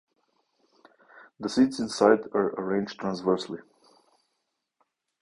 The seeds inside are arranged transversely.